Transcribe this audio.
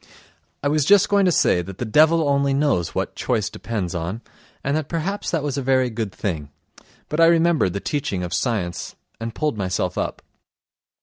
I was just going to say that the devil only knows what choice depends on, and that perhaps that was a very good thing, but I remembered the teaching of science ... and pulled myself up.